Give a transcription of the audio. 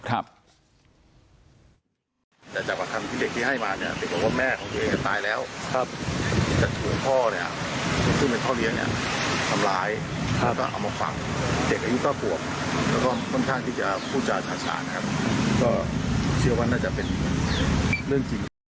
เรื่องจริง